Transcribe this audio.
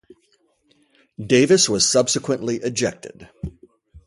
Davis was subsequently ejected.